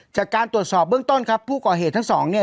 จากการตรวจสอบเบื้องต้นครับผู้ก่อเหตุทั้งสองเนี่ย